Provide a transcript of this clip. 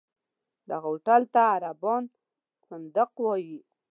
دغه هوټل ته عربان فندق وایي.